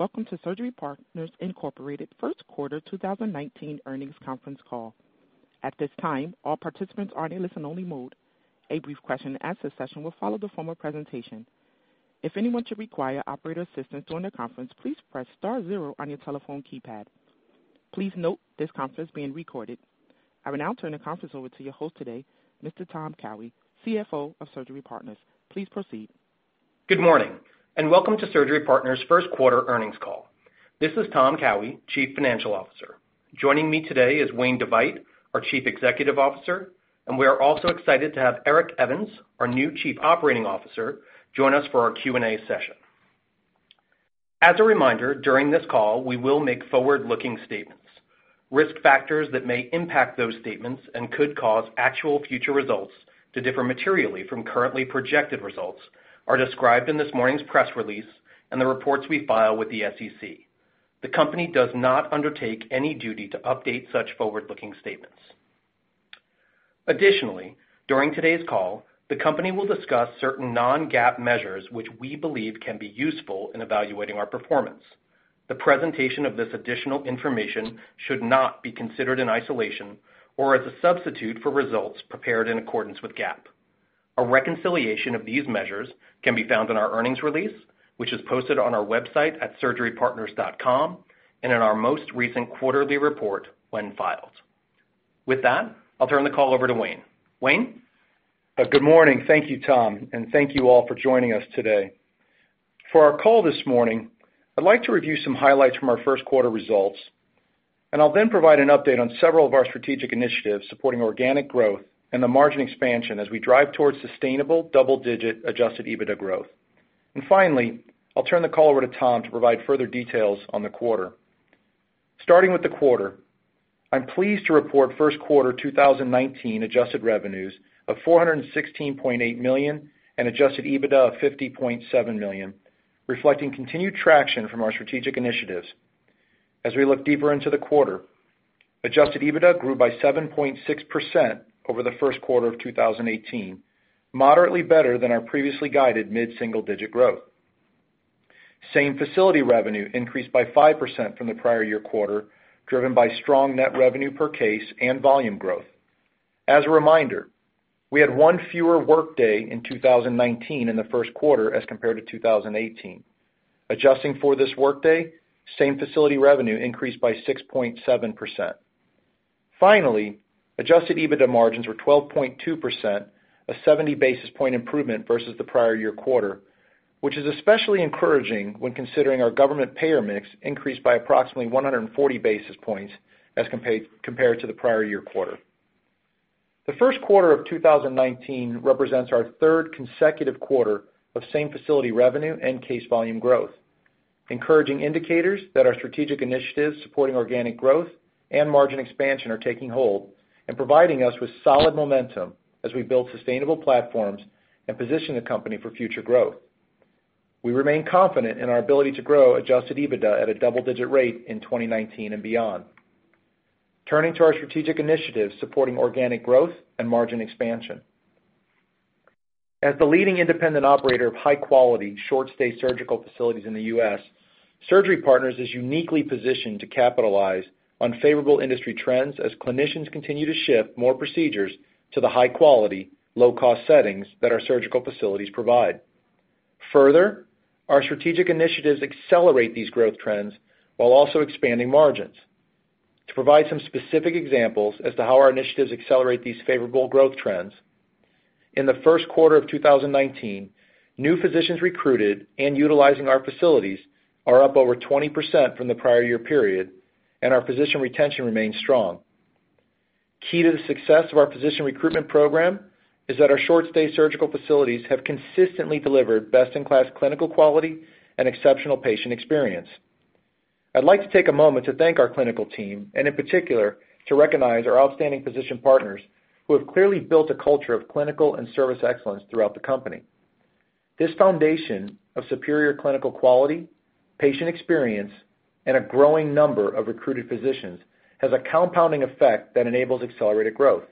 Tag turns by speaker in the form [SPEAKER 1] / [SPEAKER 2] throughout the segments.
[SPEAKER 1] Welcome to Surgery Partners Incorporated first quarter 2019 earnings conference call. At this time, all participants are in a listen-only mode. A brief question and answer session will follow the formal presentation. If anyone should require operator assistance during the conference, please press star zero on your telephone keypad. Please note this conference is being recorded. I will now turn the conference over to your host today, Mr. Tom Cowhey, CFO of Surgery Partners. Please proceed.
[SPEAKER 2] Good morning, welcome to Surgery Partners' first quarter earnings call. This is Tom Cowhey, Chief Financial Officer. Joining me today is Wayne DeVeydt, our Chief Executive Officer, and we are also excited to have Eric Evans, our new Chief Operating Officer, join us for our Q&A session. As a reminder, during this call, we will make forward-looking statements. Risk factors that may impact those statements and could cause actual future results to differ materially from currently projected results are described in this morning's press release and the reports we file with the SEC. The company does not undertake any duty to update such forward-looking statements. Additionally, during today's call, the company will discuss certain non-GAAP measures which we believe can be useful in evaluating our performance. The presentation of this additional information should not be considered in isolation or as a substitute for results prepared in accordance with GAAP. A reconciliation of these measures can be found in our earnings release, which is posted on our website at surgerypartners.com and in our most recent quarterly report when filed. With that, I'll turn the call over to Wayne. Wayne?
[SPEAKER 3] Good morning. Thank you, Tom, thank you all for joining us today. For our call this morning, I'd like to review some highlights from our first quarter results, I'll then provide an update on several of our strategic initiatives supporting organic growth and the margin expansion as we drive towards sustainable double-digit Adjusted EBITDA growth. Finally, I'll turn the call over to Tom to provide further details on the quarter. Starting with the quarter, I'm pleased to report first quarter 2019 adjusted revenues of $416.8 million and Adjusted EBITDA of $50.7 million, reflecting continued traction from our strategic initiatives. As we look deeper into the quarter, Adjusted EBITDA grew by 7.6% over the first quarter of 2018, moderately better than our previously guided mid-single digit growth. Same-facility revenue increased by 5% from the prior year quarter, driven by strong net revenue per case and volume growth. As a reminder, we had one fewer workday in 2019 in the first quarter as compared to 2018. Adjusting for this workday, same-facility revenue increased by 6.7%. Finally, Adjusted EBITDA margins were 12.2%, a 70 basis point improvement versus the prior year quarter, which is especially encouraging when considering our government payer mix increased by approximately 140 basis points as compared to the prior year quarter. The first quarter of 2019 represents our third consecutive quarter of same-facility revenue and case volume growth. Encouraging indicators that our strategic initiatives supporting organic growth and margin expansion are taking hold and providing us with solid momentum as we build sustainable platforms and position the company for future growth. We remain confident in our ability to grow Adjusted EBITDA at a double-digit rate in 2019 and beyond. Turning to our strategic initiatives supporting organic growth and margin expansion. As the leading independent operator of high-quality short stay surgical facilities in the U.S., Surgery Partners is uniquely positioned to capitalize on favorable industry trends as clinicians continue to shift more procedures to the high quality, low cost settings that our surgical facilities provide. Our strategic initiatives accelerate these growth trends while also expanding margins. To provide some specific examples as to how our initiatives accelerate these favorable growth trends, in the first quarter of 2019, new physicians recruited and utilizing our facilities are up over 20% from the prior year period, and our physician retention remains strong. Key to the success of our physician recruitment program is that our short stay surgical facilities have consistently delivered best-in-class clinical quality and exceptional patient experience. I'd like to take a moment to thank our clinical team, and in particular, to recognize our outstanding physician partners who have clearly built a culture of clinical and service excellence throughout the company. This foundation of superior clinical quality, patient experience, and a growing number of recruited physicians has a compounding effect that enables accelerated growth.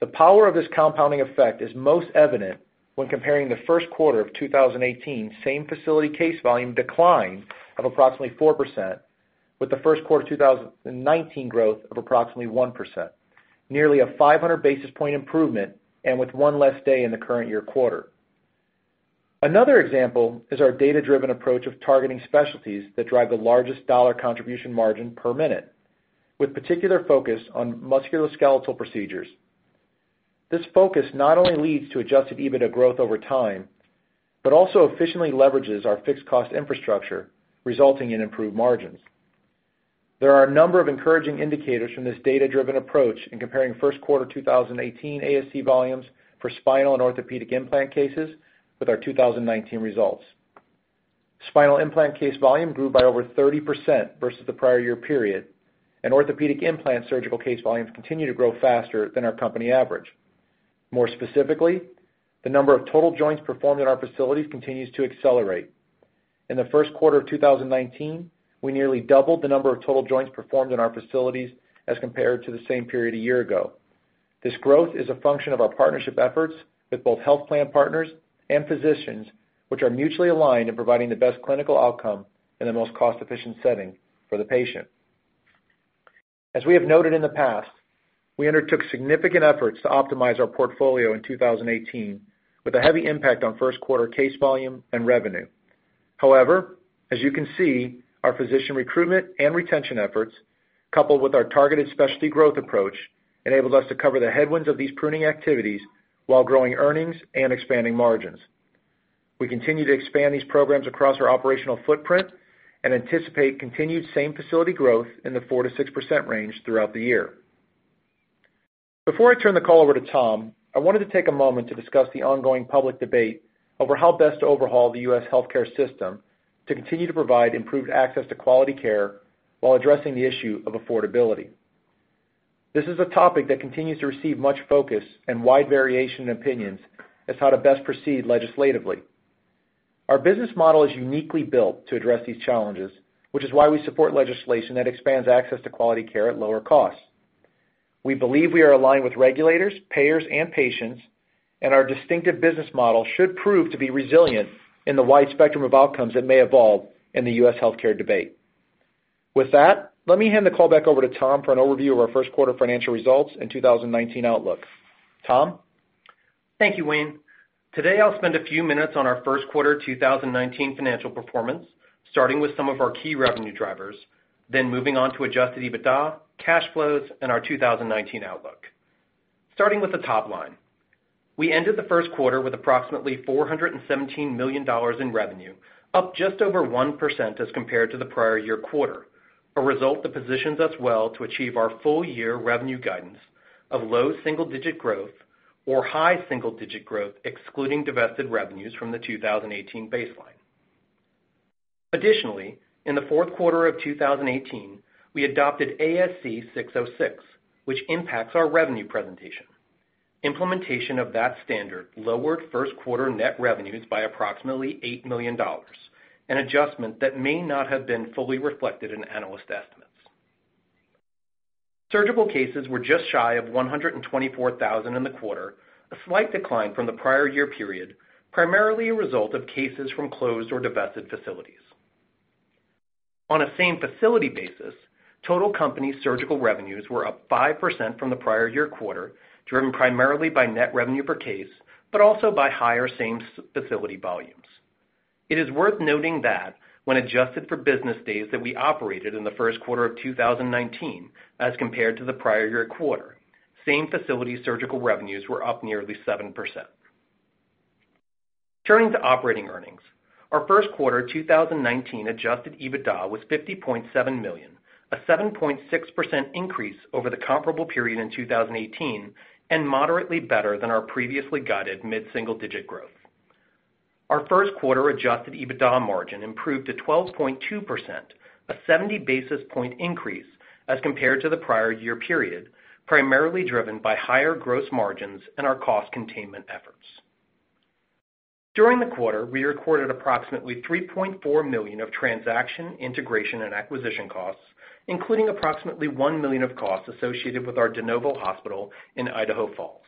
[SPEAKER 3] The power of this compounding effect is most evident when comparing the first quarter of 2018 same-facility case volume decline of approximately 4% with the first quarter 2019 growth of approximately 1%, nearly a 500 basis point improvement and with one less day in the current year quarter. Another example is our data-driven approach of targeting specialties that drive the largest dollar contribution margin per minute, with particular focus on musculoskeletal procedures. This focus not only leads to Adjusted EBITDA growth over time, but also efficiently leverages our fixed cost infrastructure, resulting in improved margins. There are a number of encouraging indicators from this data-driven approach in comparing first quarter 2018 ASC volumes for spinal and orthopedic implant cases with our 2019 results. Spinal implant case volume grew by over 30% versus the prior year period, and orthopedic implant surgical case volumes continue to grow faster than our company average. More specifically, the number of total joints performed in our facilities continues to accelerate. In the first quarter of 2019, we nearly doubled the number of total joints performed in our facilities as compared to the same period a year ago. This growth is a function of our partnership efforts with both health plan partners and physicians, which are mutually aligned in providing the best clinical outcome in the most cost-efficient setting for the patient. As we have noted in the past, we undertook significant efforts to optimize our portfolio in 2018 with a heavy impact on first quarter case volume and revenue. As you can see, our physician recruitment and retention efforts, coupled with our targeted specialty growth approach, enabled us to cover the headwinds of these pruning activities while growing earnings and expanding margins. We continue to expand these programs across our operational footprint and anticipate continued same-facility growth in the 4%-6% range throughout the year. Before I turn the call over to Tom, I wanted to take a moment to discuss the ongoing public debate over how best to overhaul the U.S. healthcare system to continue to provide improved access to quality care, while addressing the issue of affordability. This is a topic that continues to receive much focus and wide variation in opinions as how to best proceed legislatively. Our business model is uniquely built to address these challenges, which is why we support legislation that expands access to quality care at lower costs. We believe we are aligned with regulators, payers, and patients, and our distinctive business model should prove to be resilient in the wide spectrum of outcomes that may evolve in the U.S. healthcare debate. With that, let me hand the call back over to Tom for an overview of our first quarter financial results and 2019 outlook. Tom?
[SPEAKER 2] Thank you, Wayne. Today, I'll spend a few minutes on our first quarter 2019 financial performance, starting with some of our key revenue drivers, moving on to Adjusted EBITDA, cash flows, and our 2019 outlook. Starting with the top line. We ended the first quarter with approximately $417 million in revenue, up just over 1% as compared to the prior year quarter, a result that positions us well to achieve our full year revenue guidance of low single-digit growth or high single-digit growth excluding divested revenues from the 2018 baseline. In the fourth quarter of 2018, we adopted ASC 606, which impacts our revenue presentation. Implementation of that standard lowered first quarter net revenues by approximately $8 million, an adjustment that may not have been fully reflected in analyst estimates. Surgical cases were just shy of 124,000 in the quarter, a slight decline from the prior year period, primarily a result of cases from closed or divested facilities. On a same-facility basis, total company surgical revenues were up 5% from the prior year quarter, driven primarily by net revenue per case, also by higher same-facility volumes. It is worth noting that when adjusted for business days that we operated in the first quarter of 2019 as compared to the prior year quarter, same-facility surgical revenues were up nearly 7%. Turning to operating earnings. Our first quarter 2019 Adjusted EBITDA was $50.7 million, a 7.6% increase over the comparable period in 2018 and moderately better than our previously guided mid-single digit growth. Our first quarter Adjusted EBITDA margin improved to 12.2%, a 70 basis point increase as compared to the prior year period, primarily driven by higher gross margins and our cost containment efforts. During the quarter, we recorded approximately $3.4 million of transaction, integration, and acquisition costs, including approximately $1 million of costs associated with our de novo hospital in Idaho Falls.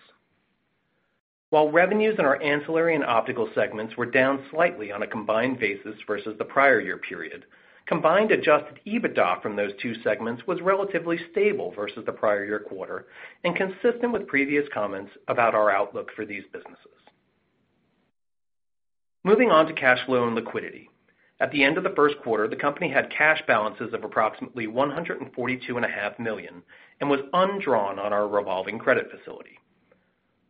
[SPEAKER 2] While revenues in our ancillary and optical segments were down slightly on a combined basis versus the prior year period, combined Adjusted EBITDA from those two segments was relatively stable versus the prior year quarter and consistent with previous comments about our outlook for these businesses. Moving on to cash flow and liquidity. At the end of the first quarter, the company had cash balances of approximately $142.5 million and was undrawn on our revolving credit facility.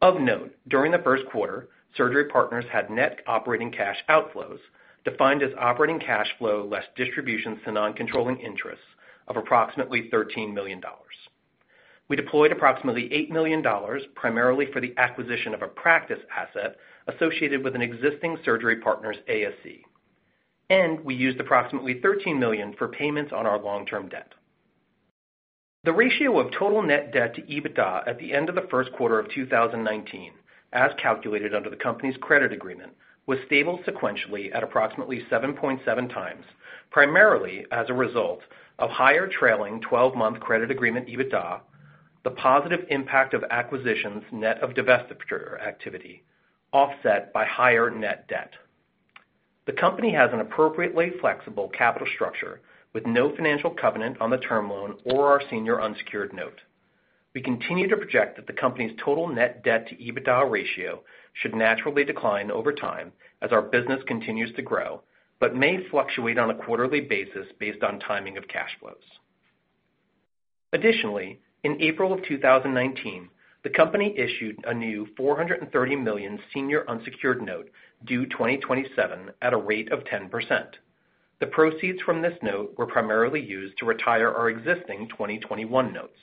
[SPEAKER 2] Of note, during the first quarter, Surgery Partners had net operating cash outflows, defined as operating cash flow less distributions to non-controlling interests, of approximately $13 million. We deployed approximately $8 million, primarily for the acquisition of a practice asset associated with an existing Surgery Partners ASC. We used approximately $13 million for payments on our long-term debt. The ratio of total net debt to EBITDA at the end of the first quarter of 2019, as calculated under the company's credit agreement, was stable sequentially at approximately 7.7 times, primarily as a result of higher trailing 12-month credit agreement EBITDA, the positive impact of acquisitions, net of divestiture activity, offset by higher net debt. The company has an appropriately flexible capital structure with no financial covenant on the term loan or our senior unsecured note. We continue to project that the company's total net debt to EBITDA ratio should naturally decline over time as our business continues to grow, but may fluctuate on a quarterly basis based on timing of cash flows. Additionally, in April of 2019, the company issued a new $430 million senior unsecured note due 2027 at a rate of 10%. The proceeds from this note were primarily used to retire our existing 2021 notes.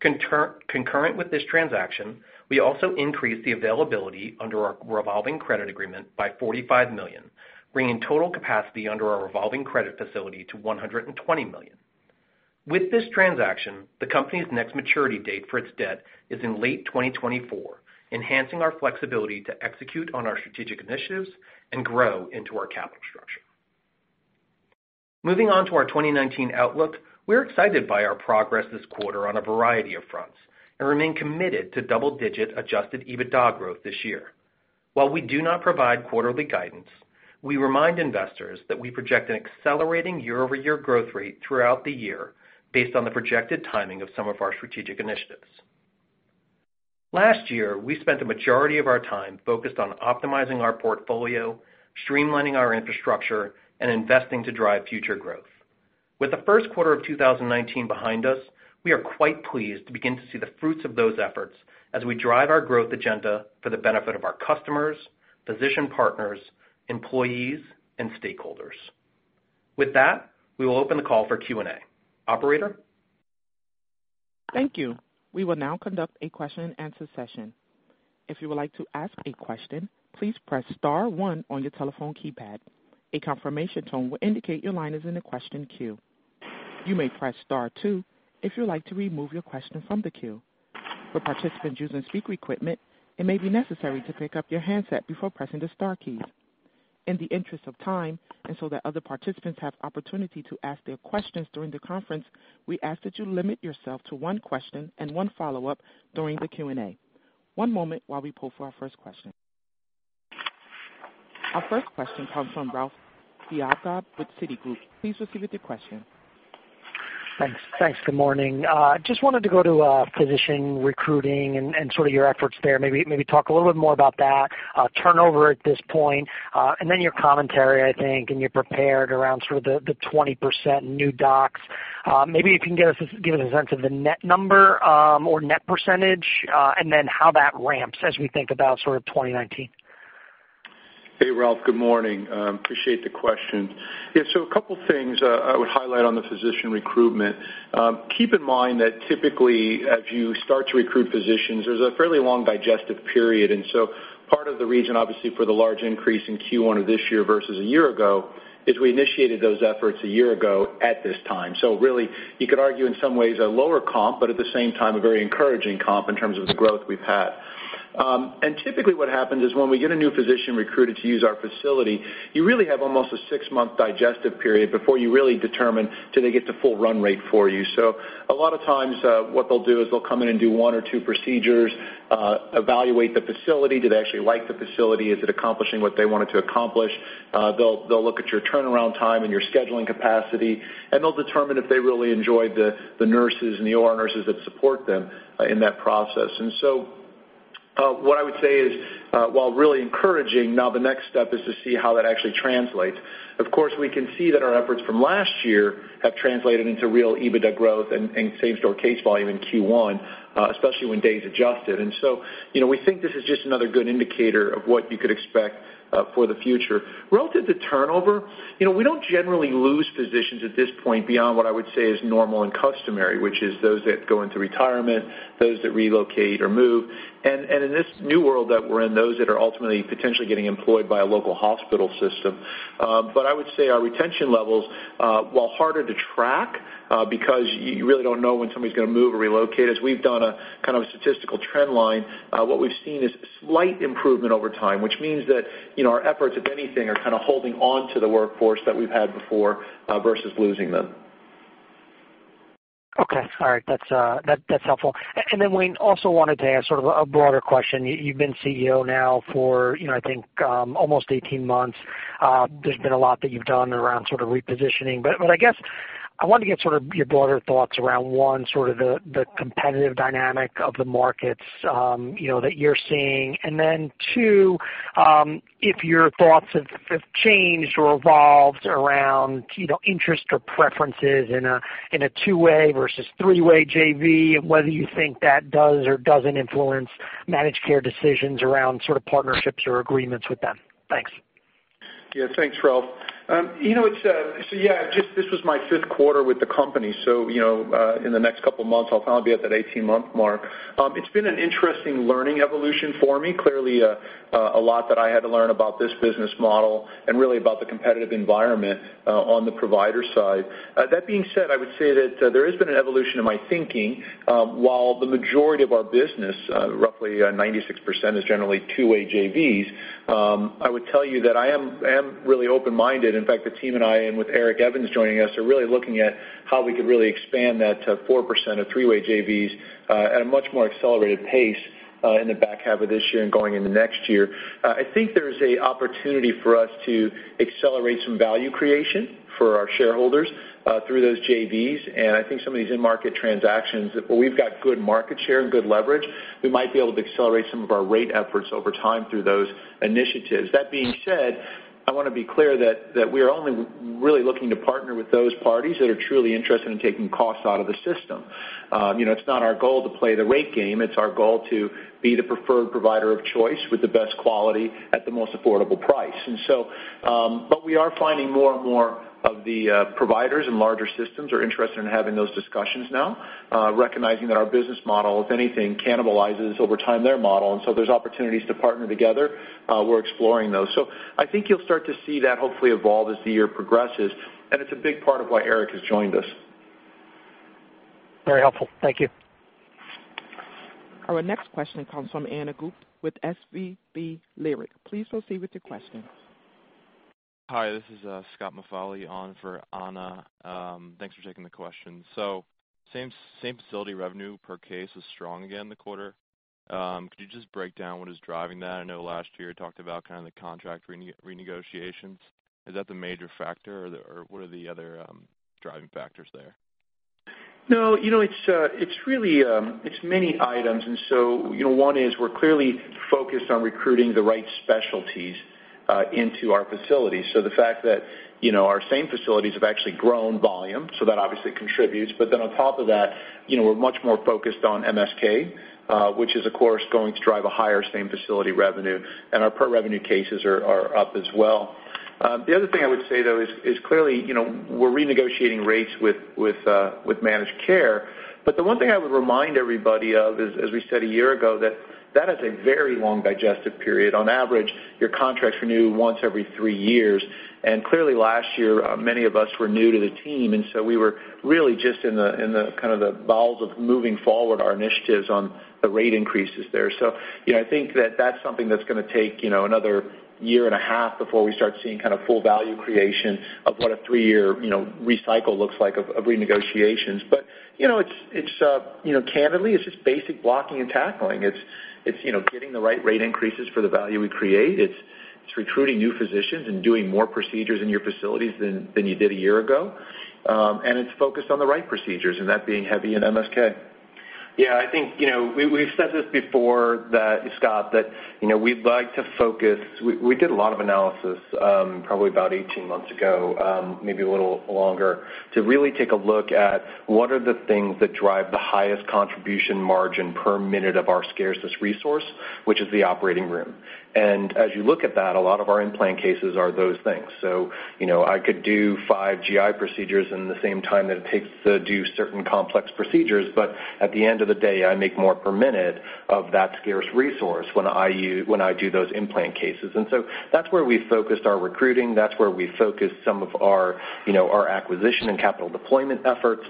[SPEAKER 2] Concurrent with this transaction, we also increased the availability under our revolving credit agreement by $45 million, bringing total capacity under our revolving credit facility to $120 million. With this transaction, the company's next maturity date for its debt is in late 2024, enhancing our flexibility to execute on our strategic initiatives and grow into our capital structure. Moving on to our 2019 outlook, we're excited by our progress this quarter on a variety of fronts and remain committed to double-digit Adjusted EBITDA growth this year. While we do not provide quarterly guidance, we remind investors that we project an accelerating year-over-year growth rate throughout the year based on the projected timing of some of our strategic initiatives. Last year, we spent the majority of our time focused on optimizing our portfolio, streamlining our infrastructure, and investing to drive future growth. With the first quarter of 2019 behind us, we are quite pleased to begin to see the fruits of those efforts as we drive our growth agenda for the benefit of our customers, physician partners, employees, and stakeholders. With that, we will open the call for Q&A. Operator?
[SPEAKER 1] Thank you. We will now conduct a question and answer session. If you would like to ask a question, please press star one on your telephone keypad. A confirmation tone will indicate your line is in the question queue. You may press star two if you'd like to remove your question from the queue. For participants using speaker equipment, it may be necessary to pick up your handset before pressing the star keys. In the interest of time, and so that other participants have opportunity to ask their questions during the conference, we ask that you limit yourself to one question and one follow-up during the Q&A. One moment while we pull for our first question. Our first question comes from Ralph Giacobbe with Citigroup. Please proceed with your question.
[SPEAKER 4] Thanks. Good morning. Just wanted to go to physician recruiting and sort of your efforts there. Maybe talk a little bit more about that, turnover at this point, and then your commentary, I think, and you're prepared around sort of the 20% new docs. Maybe you can give us a sense of the net number or net percentage, and then how that ramps as we think about sort of 2019.
[SPEAKER 3] Hey, Ralph. Good morning. Appreciate the question. Yeah. A couple things I would highlight on the physician recruitment. Keep in mind that typically, as you start to recruit physicians, there's a fairly long digestive period. Part of the reason, obviously, for the large increase in Q1 of this year versus a year ago is we initiated those efforts a year ago at this time. Really, you could argue in some ways a lower comp, but at the same time, a very encouraging comp in terms of the growth we've had. Typically what happens is when we get a new physician recruited to use our facility, you really have almost a six-month digestive period before you really determine, do they get the full run rate for you? A lot of times, what they'll do is they'll come in and do one or two procedures, evaluate the facility. Do they actually like the facility? Is it accomplishing what they want it to accomplish? They'll look at your turnaround time and your scheduling capacity, and they'll determine if they really enjoy the nurses and the OR nurses that support them in that process. What I would say is, while really encouraging, now the next step is to see how that actually translates. Of course, we can see that our efforts from last year have translated into real EBITDA growth and same-store case volume in Q1, especially when days adjusted. We think this is just another good indicator of what you could expect for the future. Relative to turnover, we don't generally lose physicians at this point beyond what I would say is normal and customary, which is those that go into retirement, those that relocate or move. In this new world that we're in, those that are ultimately potentially getting employed by a local hospital system. I would say our retention levels, while harder to track because you really don't know when somebody's going to move or relocate, as we've done a kind of a statistical trend line, what we've seen is slight improvement over time, which means that our efforts, if anything, are kind of holding onto the workforce that we've had before, versus losing them.
[SPEAKER 4] Okay. All right. That's helpful. Then Wayne, also wanted to ask sort of a broader question. You've been CEO now for I think almost 18 months. There's been a lot that you've done around sort of repositioning. I guess I wanted to get sort of your broader thoughts around, one, sort of the competitive dynamic of the markets that you're seeing. Then two, if your thoughts have changed or evolved around interest or preferences in a two-way versus three-way JV, whether you think that does or doesn't influence managed care decisions around sort of partnerships or agreements with them. Thanks.
[SPEAKER 3] Yeah. Thanks, Ralph. This was my fifth quarter with the company, so in the next couple of months, I'll finally be at that 18-month mark. It's been an interesting learning evolution for me. Clearly, a lot that I had to learn about this business model and really about the competitive environment on the provider side. That being said, I would say that there has been an evolution in my thinking. While the majority of our business, roughly 96%, is generally two-way JVs, I would tell you that I am really open-minded. In fact, the team and I, and with Eric Evans joining us, are really looking at how we could really expand that to 4% of three-way JVs at a much more accelerated pace in the back half of this year and going into next year. I think there's an opportunity for us to accelerate some value creation for our shareholders through those JVs. I think some of these in-market transactions, where we've got good market share and good leverage, we might be able to accelerate some of our rate efforts over time through those initiatives. That being said, I want to be clear that we are only really looking to partner with those parties that are truly interested in taking costs out of the system. It's not our goal to play the rate game. It's our goal to be the preferred provider of choice with the best quality at the most affordable price. We are finding more and more of the providers and larger systems are interested in having those discussions now, recognizing that our business model, if anything, cannibalizes over time their model, so there's opportunities to partner together. We're exploring those. I think you'll start to see that hopefully evolve as the year progresses, and it's a big part of why Eric has joined us.
[SPEAKER 4] Very helpful. Thank you.
[SPEAKER 1] Our next question comes from Ana Gupte with SVB Leerink. Please proceed with your question.
[SPEAKER 5] Hi, this is Scott Moffolly on for Ana. Thanks for taking the question. Same-facility revenue per case was strong again this quarter. Could you just break down what is driving that? I know last year, you talked about the contract renegotiations. Is that the major factor, or what are the other driving factors there?
[SPEAKER 3] No, it's many items. One is we're clearly focused on recruiting the right specialties into our facilities. The fact that our same facilities have actually grown volume, that obviously contributes. On top of that, we're much more focused on MSK, which is, of course, going to drive a higher same-facility revenue, and our per revenue cases are up as well. The other thing I would say, though, is clearly, we're renegotiating rates with managed care. The one thing I would remind everybody of is, as we said a year ago, that that has a very long digestive period. On average, your contracts renew once every three years. Last year, many of us were new to the team, we were really just in the bowels of moving forward our initiatives on the rate increases there. I think that that's something that's going to take another year and a half before we start seeing full value creation of what a three-year recycle looks like of renegotiations. Candidly, it's just basic blocking and tackling. It's getting the right rate increases for the value we create. It's recruiting new physicians and doing more procedures in your facilities than you did a year ago. It's focused on the right procedures and that being heavy in MSK.
[SPEAKER 2] Yeah, I think we've said this before, Scott, that we'd like to focus. We did a lot of analysis, probably about 18 months ago, maybe a little longer, to really take a look at what are the things that drive the highest contribution margin per minute of our scarcest resource, which is the operating room. As you look at that, a lot of our implant cases are those things. I could do five GI procedures in the same time that it takes to do certain complex procedures, but at the end of the day, I make more per minute of that scarce resource when I do those implant cases. That's where we focused our recruiting. That's where we focused some of our acquisition and capital deployment efforts.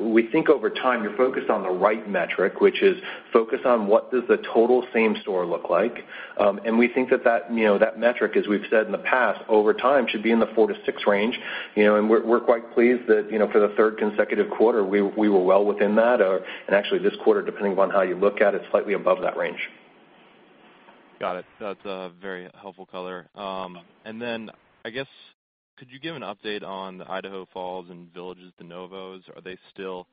[SPEAKER 2] We think over time, you're focused on the right metric, which is focused on what does the total same store look like. We think that metric, as we've said in the past, over time, should be in the 4%-6% range. We're quite pleased that for the third consecutive quarter, we were well within that. This quarter, depending upon how you look at it, slightly above that range.
[SPEAKER 5] I guess, could you give an update on the Idaho Falls and The Villages de novos? Are they still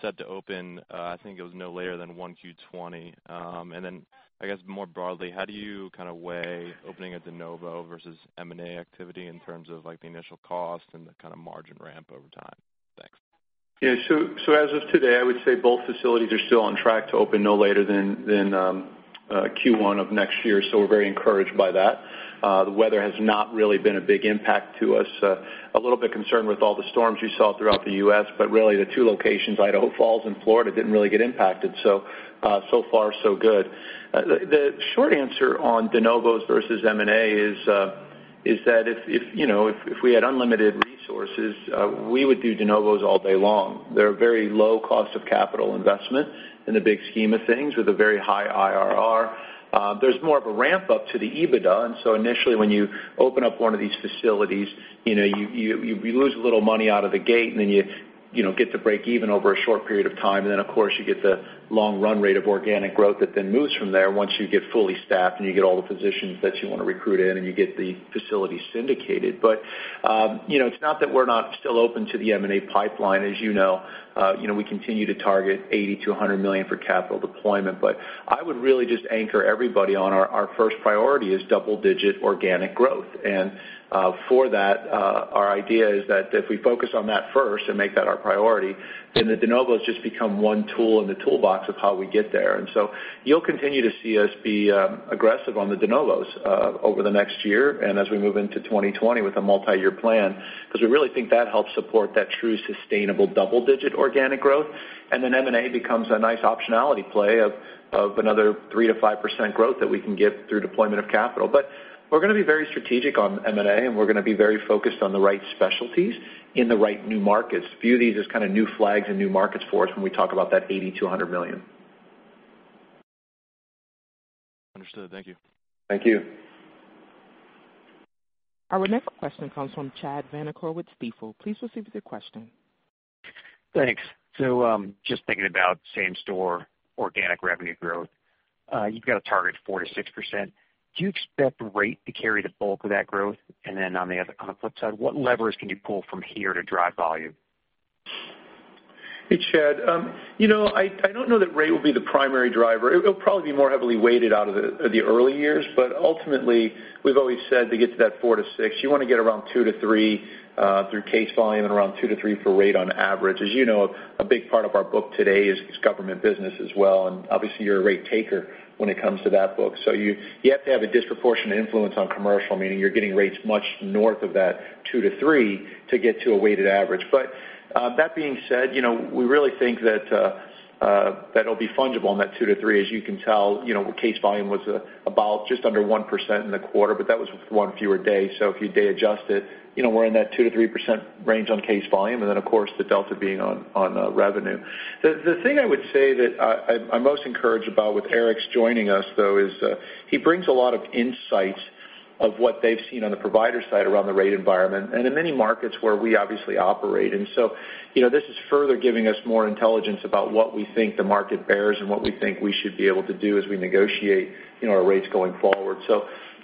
[SPEAKER 5] set to open, I think it was no later than 1Q 2020. I guess more broadly, how do you weigh opening a de novo versus M&A activity in terms of the initial cost and the margin ramp over time? Thanks.
[SPEAKER 3] As of today, I would say both facilities are still on track to open no later than Q1 of next year, we're very encouraged by that. The weather has not really been a big impact to us. A little bit concerned with all the storms you saw throughout the U.S., Really the two locations, Idaho Falls and Florida, didn't really get impacted. So far so good. The short answer on de novos versus M&A is that if we had unlimited resources, we would do de novos all day long. They're very low cost of capital investment in the big scheme of things with a very high IRR. There's more of a ramp up to the EBITDA, Initially, when you open up one of these facilities, you lose a little money out of the gate, Then you get to break even over a short period of time. Of course, you get the long run rate of organic growth that then moves from there once you get fully staffed and you get all the physicians that you want to recruit in, and you get the facility syndicated. It's not that we're not still open to the M&A pipeline. As you know we continue to target $80 million-$100 million for capital deployment. I would really just anchor everybody on our first priority is double-digit organic growth. For that, our idea is that if we focus on that first and make that our priority, then the de novos just become one tool in the toolbox of how we get there. You'll continue to see us be aggressive on the de novos over the next year and as we move into 2020 with a multi-year plan, because we really think that helps support that true, sustainable double-digit organic growth. M&A becomes a nice optionality play of another 3%-5% growth that we can get through deployment of capital. We're going to be very strategic on M&A, and we're going to be very focused on the right specialties in the right new markets. View these as new flags and new markets for us when we talk about that $80 million-$100 million.
[SPEAKER 5] Understood. Thank you.
[SPEAKER 2] Thank you.
[SPEAKER 1] Our next question comes from Chad Vanacore with Stifel. Please proceed with your question.
[SPEAKER 6] Thanks. Just thinking about same-store organic revenue growth. You've got a target of 4%-6%. Do you expect rate to carry the bulk of that growth? On the flip side, what levers can you pull from here to drive volume?
[SPEAKER 3] Hey, Chad. I don't know that rate will be the primary driver. It'll probably be more heavily weighted out of the early years. Ultimately, we've always said to get to that 4-6, you want to get around 2-3 through case volume and around 2-3 for rate on average. As you know, a big part of our book today is government business as well, and obviously you're a rate taker when it comes to that book. You have to have a disproportionate influence on commercial, meaning you're getting rates much north of that 2-3 to get to a weighted average. That being said, we really think that it'll be fungible on that 2-3. As you can tell, case volume was about just under 1% in the quarter, but that was one fewer day. If you de-adjust it, we're in that 2%-3% range on case volume, and then, of course, the delta being on revenue. The thing I would say that I'm most encouraged about with Eric's joining us, though, is he brings a lot of insight of what they've seen on the provider side around the rate environment and in many markets where we obviously operate. This is further giving us more intelligence about what we think the market bears and what we think we should be able to do as we negotiate our rates going forward.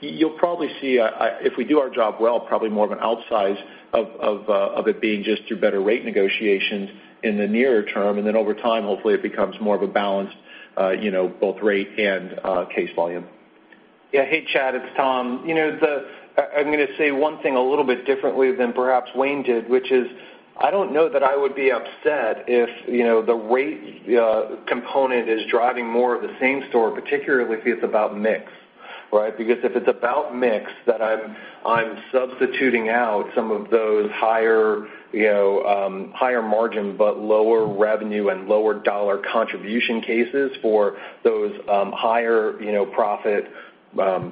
[SPEAKER 3] You'll probably see, if we do our job well, probably more of an outsize of it being just through better rate negotiations in the nearer term. Over time, hopefully it becomes more of a balance, both rate and case volume.
[SPEAKER 2] Yeah. Hey, Chad, it's Tom. I'm going to say one thing a little bit differently than perhaps Wayne did, which is, I don't know that I would be upset if the rate component is driving more of the same store, particularly if it's about mix. Right? Because if it's about mix, that I'm substituting out some of those higher margin, but lower revenue and lower dollar contribution cases for those higher profit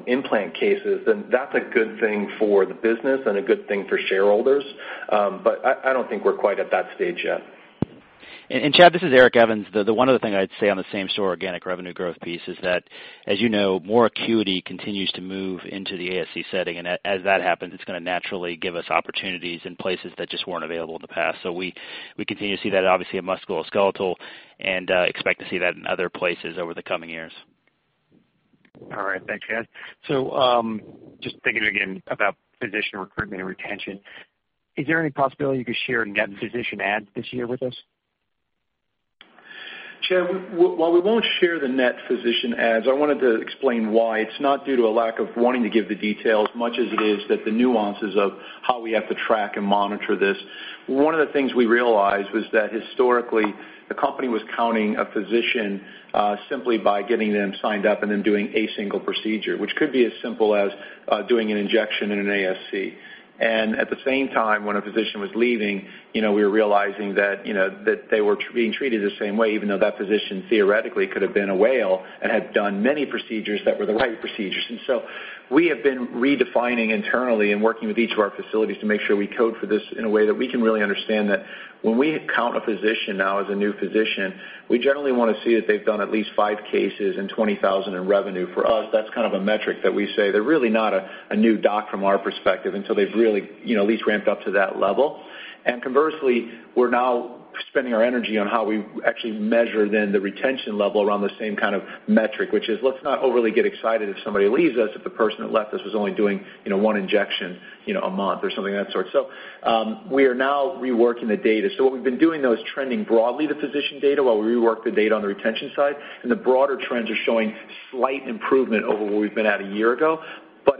[SPEAKER 2] implant cases, then that's a good thing for the business and a good thing for shareholders. I don't think we're quite at that stage yet.
[SPEAKER 7] Chad, this is Eric Evans. The one other thing I'd say on the same-store organic revenue growth piece is that, as you know, more acuity continues to move into the ASC setting, and as that happens, it's going to naturally give us opportunities in places that just weren't available in the past. We continue to see that obviously in musculoskeletal and expect to see that in other places over the coming years.
[SPEAKER 6] Thanks, Chad. Just thinking again about physician recruitment and retention, is there any possibility you could share net physician adds this year with us?
[SPEAKER 3] Chad, while we won't share the net physician adds, I wanted to explain why. It's not due to a lack of wanting to give the detail as much as it is that the nuances of how we have to track and monitor this. One of the things we realized was that historically, the company was counting a physician simply by getting them signed up and then doing a single procedure, which could be as simple as doing an injection in an ASC. At the same time, when a physician was leaving, we were realizing that they were being treated the same way, even though that physician theoretically could have been a whale and had done many procedures that were the right procedures. We have been redefining internally and working with each of our facilities to make sure we code for this in a way that we can really understand that when we count a physician now as a new physician, we generally want to see that they've done at least five cases and $20,000 in revenue. For us, that's kind of a metric that we say they're really not a new doc from our perspective until they've really at least ramped up to that level. Conversely, we're now spending our energy on how we actually measure then the retention level around the same kind of metric, which is, let's not overly get excited if somebody leaves us if the person that left us was only doing one injection a month or something of that sort. We are now reworking the data. What we've been doing, though, is trending broadly the physician data while we rework the data on the retention side, and the broader trends are showing slight improvement over where we've been at a year ago.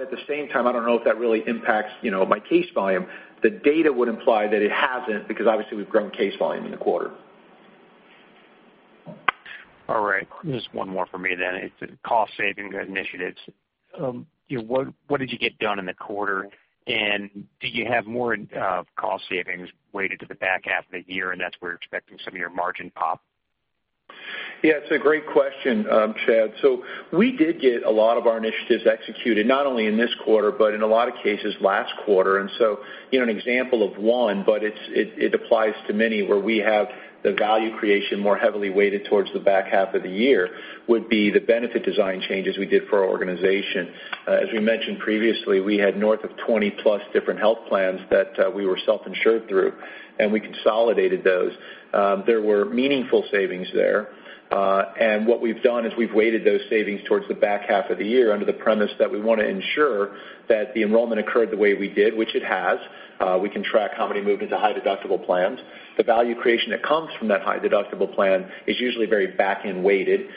[SPEAKER 3] At the same time, I don't know if that really impacts my case volume. The data would imply that it hasn't, because obviously, we've grown case volume in the quarter.
[SPEAKER 6] All right. Just one more from me then. It's the cost-saving initiatives. What did you get done in the quarter, and do you have more cost savings weighted to the back half of the year, and that's where you're expecting some of your margin pop?
[SPEAKER 3] Yeah, it's a great question, Chad. We did get a lot of our initiatives executed not only in this quarter, but in a lot of cases last quarter. An example of one, but it applies to many, where we have the value creation more heavily weighted towards the back half of the year, would be the benefit design changes we did for our organization. As we mentioned previously, we had north of 20-plus different health plans that we were self-insured through, and we consolidated those. There were meaningful savings there. What we've done is we've weighted those savings towards the back half of the year under the premise that we want to ensure that the enrollment occurred the way we did, which it has. We can track how many moved into high-deductible plans. The value creation that comes from that high-deductible plan is usually very back-end weighted.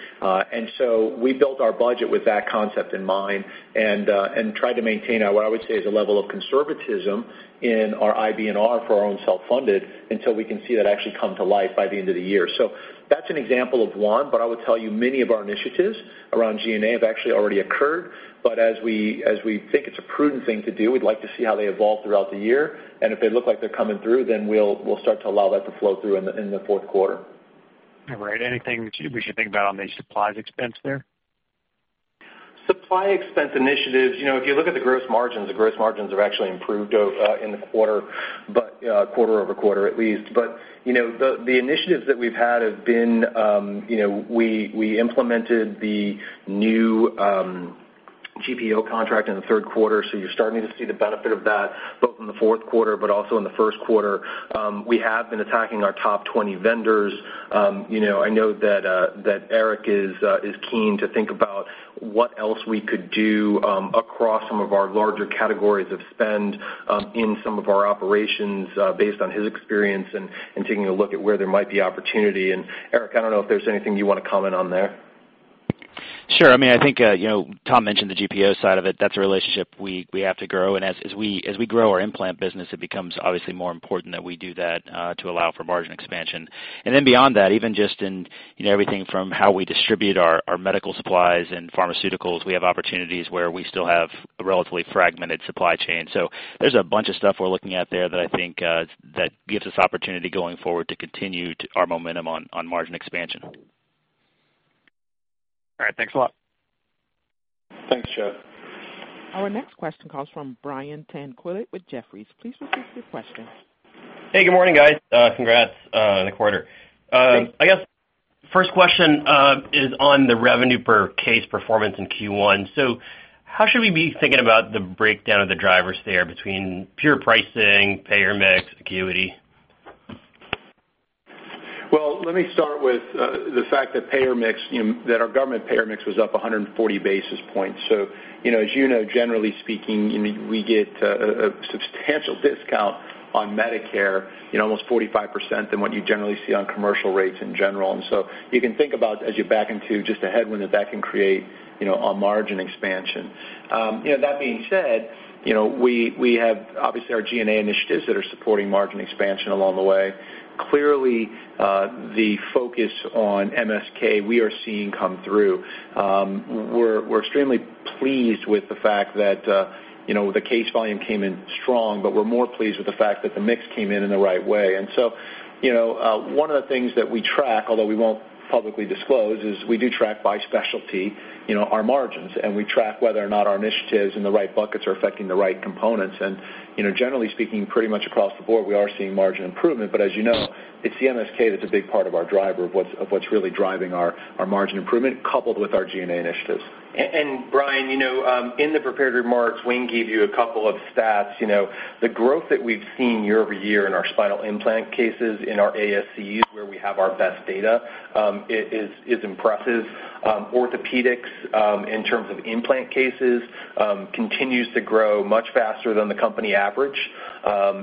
[SPEAKER 3] We built our budget with that concept in mind and tried to maintain what I would say is a level of conservatism in our IBNR for our own self-funded, until we can see that actually come to life by the end of the year. That's an example of one. I would tell you many of our initiatives around G&A have actually already occurred. As we think it's a prudent thing to do, we'd like to see how they evolve throughout the year, and if they look like they're coming through, then we'll start to allow that to flow through in the fourth quarter.
[SPEAKER 6] All right. Anything that we should think about on the supplies expense there?
[SPEAKER 3] Supply expense initiatives, if you look at the gross margins, the gross margins have actually improved in the quarter-over-quarter at least. The initiatives that we've had, we implemented the new GPO contract in the third quarter, so you're starting to see the benefit of that both in the fourth quarter, but also in the first quarter. We have been attacking our top 20 vendors. I know that Eric is keen to think about what else we could do across some of our larger categories of spend in some of our operations based on his experience and taking a look at where there might be opportunity. Eric, I don't know if there's anything you want to comment on there.
[SPEAKER 7] Sure. I think Tom mentioned the GPO side of it. That's a relationship we have to grow. As we grow our implant business, it becomes obviously more important that we do that to allow for margin expansion. Beyond that, even just in everything from how we distribute our medical supplies and pharmaceuticals, we have opportunities where we still have a relatively fragmented supply chain. There's a bunch of stuff we're looking at there that I think that gives us opportunity going forward to continue our momentum on margin expansion.
[SPEAKER 6] All right. Thanks a lot.
[SPEAKER 3] Thanks, Chad.
[SPEAKER 1] Our next question comes from Brian Tanquilut with Jefferies. Please proceed with your question.
[SPEAKER 8] Hey, good morning, guys. Congrats on the quarter.
[SPEAKER 3] Thanks.
[SPEAKER 8] First question is on the revenue per case performance in Q1. How should we be thinking about the breakdown of the drivers there between pure pricing, payer mix, acuity?
[SPEAKER 3] Well, let me start with the fact that our government payer mix was up 140 basis points. As you know, generally speaking, we get a substantial discount on Medicare, almost 45%, than what you generally see on commercial rates in general. You can think about as you back into just a headwind that can create a margin expansion. That being said, we have obviously our G&A initiatives that are supporting margin expansion along the way. Clearly, the focus on MSK we are seeing come through. We're extremely pleased with the fact that the case volume came in strong, but we're more pleased with the fact that the mix came in in the right way. One of the things that we track, although we won't publicly disclose, is we do track by specialty our margins, and we track whether or not our initiatives in the right buckets are affecting the right components. Generally speaking, pretty much across the board, we are seeing margin improvement. As you know, it's the MSK that's a big part of our driver of what's really driving our margin improvement coupled with our G&A initiatives.
[SPEAKER 2] Brian, in the prepared remarks, Wayne gave you a couple of stats. The growth that we've seen year-over-year in our spinal implant cases in our ASCs where we have our best data, is impressive. orthopedics, in terms of implant cases, continues to grow much faster than the company average.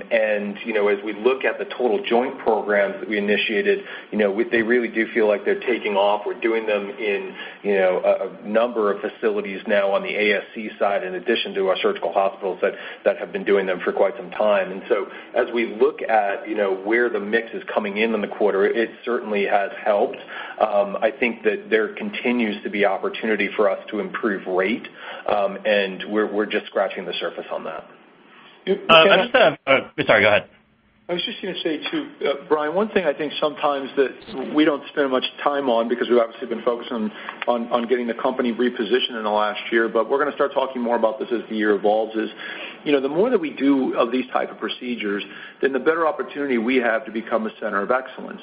[SPEAKER 2] As we look at the total joint programs that we initiated, they really do feel like they're taking off. We're doing them in a number of facilities now on the ASC side, in addition to our surgical hospitals that have been doing them for quite some time. As we look at where the mix is coming in in the quarter, it certainly has helped. I think that there continues to be opportunity for us to improve rate, and we're just scratching the surface on that.
[SPEAKER 8] Sorry, go ahead.
[SPEAKER 3] I was just going to say, too, Brian, one thing I think sometimes that we don't spend much time on because we've obviously been focused on getting the company repositioned in the last year, but we're going to start talking more about this as the year evolves, is the more that we do of these type of procedures, then the better opportunity we have to become a center of excellence.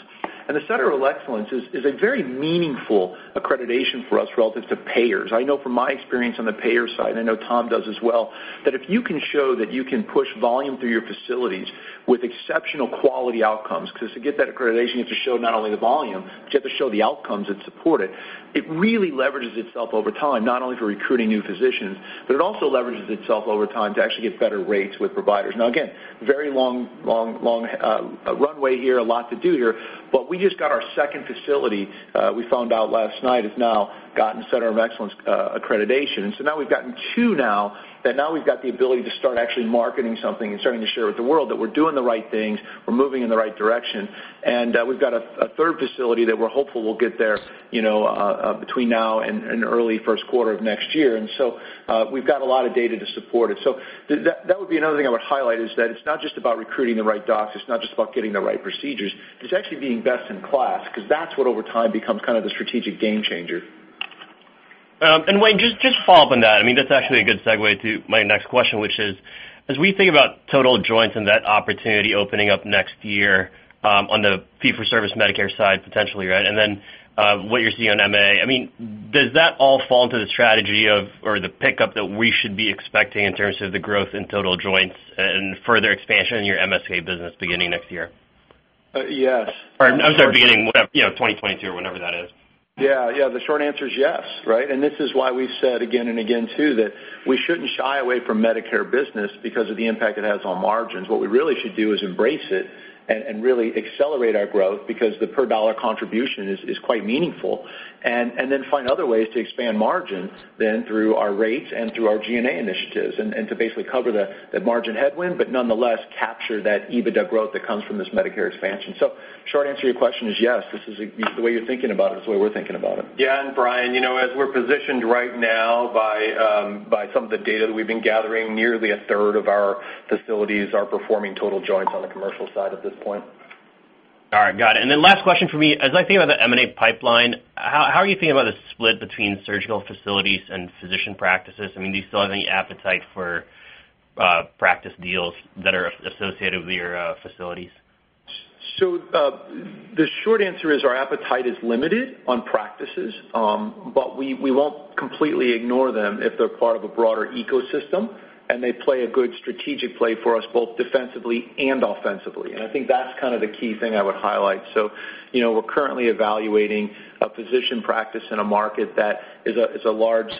[SPEAKER 3] The center of excellence is a very meaningful accreditation for us relative to payers. I know from my experience on the payer side, and I know Tom does as well, that if you can show that you can push volume through your facilities with exceptional quality outcomes, because to get that accreditation, you have to show not only the volume, but you have to show the outcomes that support it. It really leverages itself over time, not only for recruiting new physicians, but it also leverages itself over time to actually get better rates with providers. Again, very long runway here, a lot to do here, but we just got our second facility, we found out last night, has now gotten center of excellence accreditation. Now we've gotten two now that now we've got the ability to start actually marketing something and starting to share with the world that we're doing the right things, we're moving in the right direction. We've got a third facility that we're hopeful will get there between now and early first quarter of next year. We've got a lot of data to support it. That would be another thing I would highlight is that it's not just about recruiting the right docs, it's not just about getting the right procedures. It's actually being best in class because that's what over time becomes kind of the strategic game changer.
[SPEAKER 8] Wayne, just to follow up on that. That's actually a good segue to my next question, which is, as we think about total joints and that opportunity opening up next year on the fee-for-service Medicare side potentially, right, and then what you're seeing on MA, does that all fall into the strategy of, or the pickup that we should be expecting in terms of the growth in total joints and further expansion in your MSK business beginning next year?
[SPEAKER 3] Yes.
[SPEAKER 8] I'm sorry, beginning 2022 or whenever that is.
[SPEAKER 3] Yeah. The short answer is yes, right? This is why we've said again and again, too, that we shouldn't shy away from Medicare business because of the impact it has on margins. What we really should do is embrace it and really accelerate our growth because the per dollar contribution is quite meaningful. Then find other ways to expand margins then through our rates and through our G&A initiatives, and to basically cover the margin headwind, but nonetheless capture that EBITDA growth that comes from this Medicare expansion. Short answer to your question is yes, the way you're thinking about it is the way we're thinking about it.
[SPEAKER 2] Yeah. Brian, as we're positioned right now by some of the data that we've been gathering, nearly a third of our facilities are performing total joints on the commercial side at this point.
[SPEAKER 8] All right, got it. Then last question for me, as I think about the M&A pipeline, how are you thinking about the split between surgical facilities and physician practices? Do you still have any appetite for practice deals that are associated with your facilities?
[SPEAKER 3] The short answer is our appetite is limited on practices, but we won't completely ignore them if they're part of a broader ecosystem and they play a good strategic play for us both defensively and offensively. I think that's kind of the key thing I would highlight. We're currently evaluating a physician practice in a market that is a large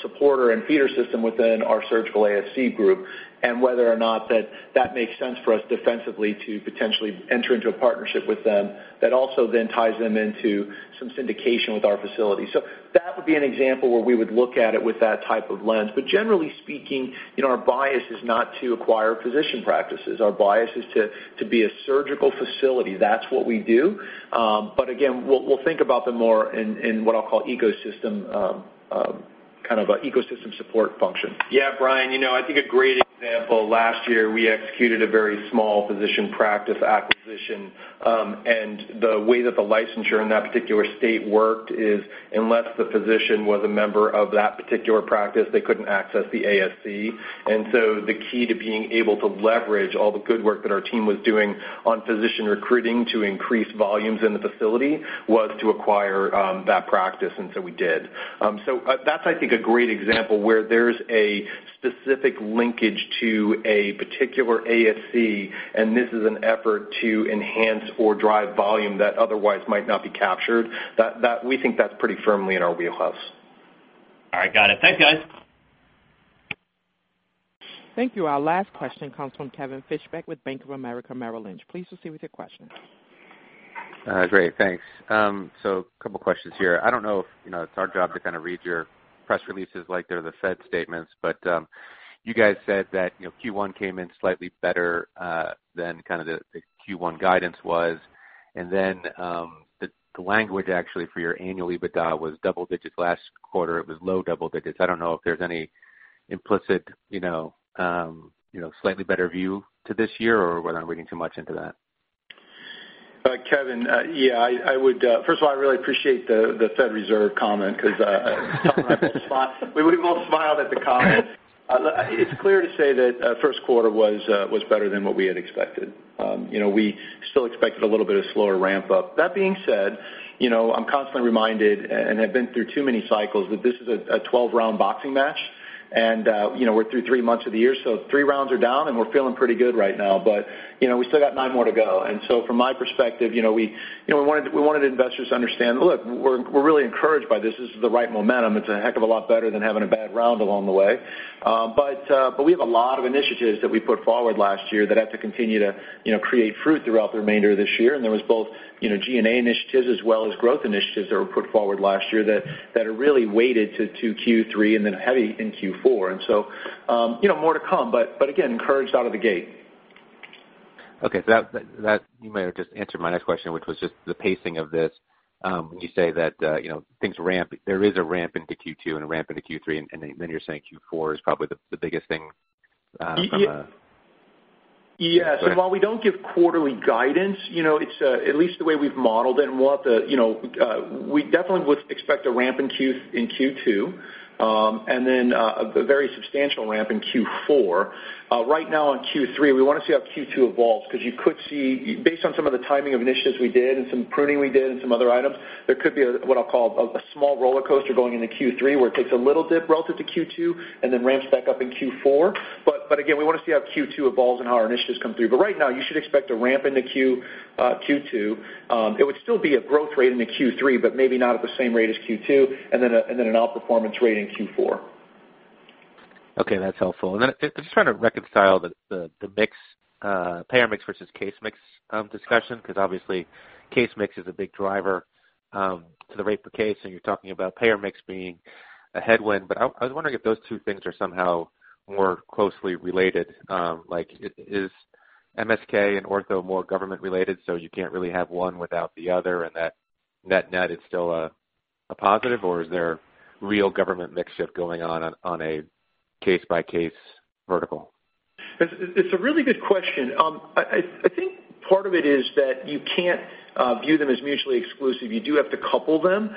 [SPEAKER 3] supporter and feeder system within our surgical ASC group, and whether or not that makes sense for us defensively to potentially enter into a partnership with them that also then ties them into some syndication with our facility. That would be an example where we would look at it with that type of lens. Generally speaking, our bias is not to acquire physician practices. Our bias is to be a surgical facility. That's what we do. We'll think about them more in what I'll call ecosystem-
[SPEAKER 2] Kind of an ecosystem support function. Yeah, Brian, I think a great example, last year, we executed a very small physician practice acquisition. The way that the licensure in that particular state worked is, unless the physician was a member of that particular practice, they couldn't access the ASC. The key to being able to leverage all the good work that our team was doing on physician recruiting to increase volumes in the facility was to acquire that practice. We did. That's, I think, a great example where there's a specific linkage to a particular ASC, and this is an effort to enhance or drive volume that otherwise might not be captured. We think that's pretty firmly in our wheelhouse. All right. Got it. Thanks, guys.
[SPEAKER 1] Thank you. Our last question comes from Kevin Fischbeck with Bank of America Merrill Lynch. Please proceed with your question.
[SPEAKER 9] Great, thanks. A couple questions here. I don't know if it's our job to read your press releases like they're the Fed statements, you guys said that Q1 came in slightly better than the Q1 guidance was, then the language actually for your annual EBITDA was double digits. Last quarter, it was low double digits. I don't know if there's any implicit slightly better view to this year, or whether I'm reading too much into that.
[SPEAKER 3] Kevin. First of all, I really appreciate the Federal Reserve comment because we've all smiled at the comment. It's clear to say that first quarter was better than what we had expected. We still expected a little bit of slower ramp up. That being said, I'm constantly reminded, and have been through too many cycles, that this is a 12-round boxing match. We're through three months of the year, so three rounds are down and we're feeling pretty good right now. We still got nine more to go. From my perspective, we wanted investors to understand, look, we're really encouraged by this. This is the right momentum. It's a heck of a lot better than having a bad round along the way. We have a lot of initiatives that we put forward last year that have to continue to create fruit throughout the remainder of this year. There was both G&A initiatives as well as growth initiatives that were put forward last year that are really weighted to Q3 and then heavy in Q4. More to come. Again, encouraged out of the gate.
[SPEAKER 9] Okay. You may have just answered my next question, which was just the pacing of this. When you say that there is a ramp into Q2 and a ramp into Q3, and then you're saying Q4 is probably the biggest thing.
[SPEAKER 3] Yes. While we don't give quarterly guidance, at least the way we've modeled it and we definitely would expect a ramp in Q2, and then a very substantial ramp in Q4. Right now in Q3, we want to see how Q2 evolves, because you could see, based on some of the timing of initiatives we did and some pruning we did and some other items, there could be what I'll call a small rollercoaster going into Q3, where it takes a little dip relative to Q2 and then ramps back up in Q4. Again, we want to see how Q2 evolves and how our initiatives come through. Right now, you should expect a ramp into Q2. It would still be a growth rate into Q3, but maybe not at the same rate as Q2, and then an outperformance rate in Q4.
[SPEAKER 9] Okay, that's helpful. Just trying to reconcile the payer mix versus case mix discussion, because obviously case mix is a big driver to the rate per case, and you're talking about payer mix being a headwind. I was wondering if those two things are somehow more closely related. Like is MSK and ortho more government related, so you can't really have one without the other, and that net is still a positive, or is there real government mix shift going on a case-by-case vertical?
[SPEAKER 3] It's a really good question. I think part of it is that you can't view them as mutually exclusive. You do have to couple them,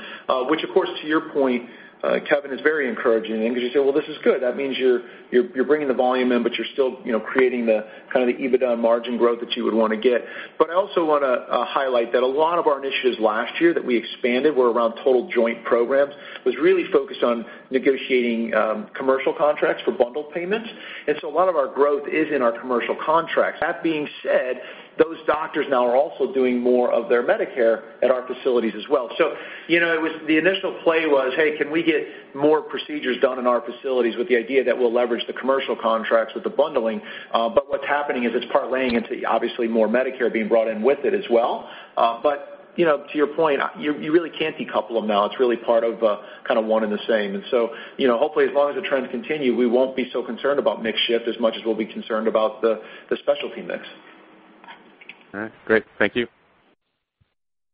[SPEAKER 3] which of course to your point, Kevin, is very encouraging because you say, well, this is good. That means you're bringing the volume in, but you're still creating the kind of the EBITDA and margin growth that you would want to get. I also want to highlight that a lot of our initiatives last year that we expanded were around total joint programs, was really focused on negotiating commercial contracts for bundled payments. A lot of our growth is in our commercial contracts. That being said, those doctors now are also doing more of their Medicare at our facilities as well. The initial play was, hey, can we get more procedures done in our facilities with the idea that we'll leverage the commercial contracts with the bundling? What's happening is it's part laying into obviously more Medicare being brought in with it as well. To your point, you really can't decouple them now. It's really part of kind of one and the same. Hopefully, as long as the trends continue, we won't be so concerned about mix shift as much as we'll be concerned about the specialty mix.
[SPEAKER 9] All right. Great. Thank you.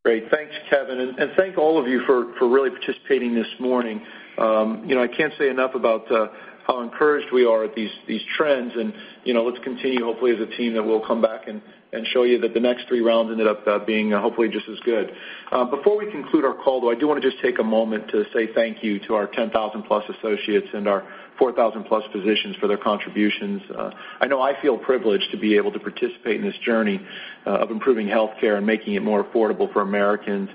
[SPEAKER 3] Great. Thanks, Kevin. Thank all of you for really participating this morning. I can't say enough about how encouraged we are at these trends, and let's continue hopefully as a team that we'll come back and show you that the next three rounds ended up being hopefully just as good. Before we conclude our call, though, I do want to just take a moment to say thank you to our 10,000-plus associates and our 4,000-plus physicians for their contributions. I know I feel privileged to be able to participate in this journey of improving healthcare and making it more affordable for Americans.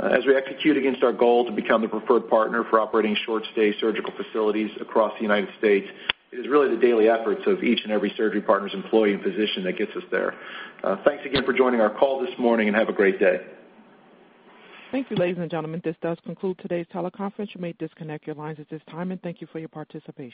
[SPEAKER 3] As we execute against our goal to become the preferred partner for operating short-stay surgical facilities across the United States, it is really the daily efforts of each and every Surgery Partners employee and physician that gets us there. Thanks again for joining our call this morning, and have a great day.
[SPEAKER 1] Thank you, ladies and gentlemen. This does conclude today's teleconference. You may disconnect your lines at this time, and thank you for your participation.